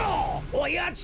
おやつ。